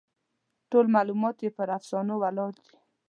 ټول معلومات یې پر افسانو ولاړ دي.